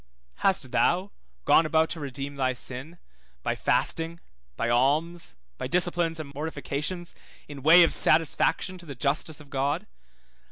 Hast thou gone about to redeem thy sin, by fasting, by alms, by disciplines and mortifications, in way of satisfaction to the justice of God?